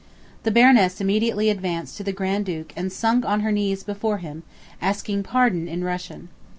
The Baroness immediately advanced to the Grand Duke and sunk on her knees before him, asking pardon in Russian.